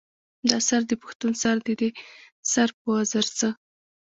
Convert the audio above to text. دا سر د پښتون سر دے ددې سر پۀ وزر څۀ